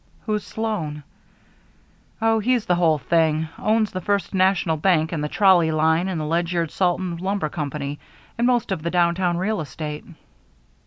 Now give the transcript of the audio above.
"Who's Sloan?" "Oh, he's the whole thing. Owns the First National Bank and the trolley line and the Ledyard Salt and Lumber Company and most of the downtown real estate."